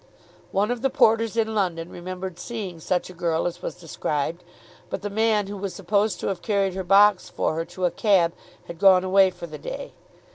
One of the porters in London remembered seeing such a girl as was described, but the man who was supposed to have carried her box for her to a cab had gone away for the day.